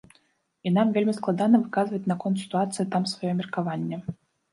І нам вельмі складана выказваць наконт сітуацыі там сваё меркаванне.